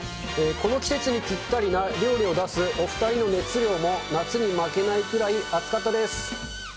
この季節にぴったりな料理を出すお２人の熱量も、夏に負けないくらい熱かったです。